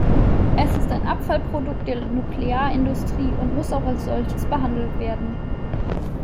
Es ist ein Abfallprodukt der Nuklearindustrie und muss auch als solches behandelt werden.